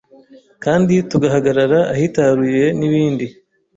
kandi tugahagarara ahitaruye, n’ibindi